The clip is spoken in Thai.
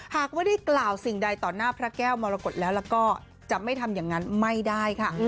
หากว่าได้กล่าวสิ่งใดต่อหน้าพระแก้วมรกฏแล้วแล้วก็จะไม่ทำอย่างนั้นไม่ได้ค่ะ